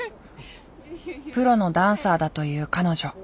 プロのダンサーだという彼女。